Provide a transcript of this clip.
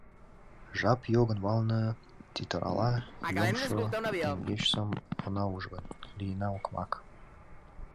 Жап йогын валне тӱтырала йомшо теҥгечсым она уж гын, лийына окмак!